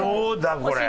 これ。